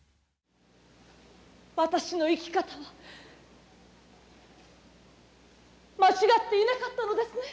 私の生き方は間違っていなかったのですね。